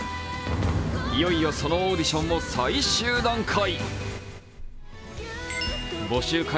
いよいよ、そのオーディションも最終段階。